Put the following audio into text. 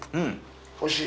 おいしい？